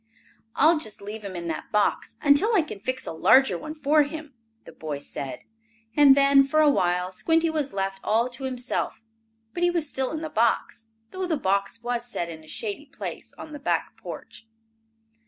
"I'll just leave him in that box until I can fix a larger one for him," the boy said, and then, for a while, Squinty was left all to himself. But he was still in the box, though the box was set in a shady place on the back porch.